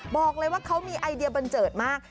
บอกเลยว่าเขามีไอเดียบันเจิดมาก